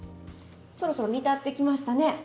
そろそろ煮立ってきましたね。